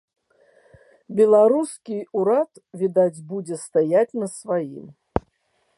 Беларускі ўрад, відаць, будзе стаяць на сваім.